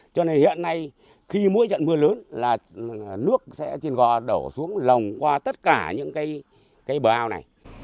cho nên hiện nay khi mỗi trận mưa lớn là nước sẽ trên go đổ xuống lồng qua tất cả những cái bờ ao này